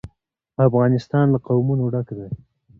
افغانستان له قومونه ډک دی.